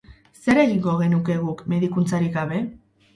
Zer egingo genuke guk medikuntzarik gabe?